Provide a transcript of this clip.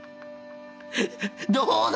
どうだ！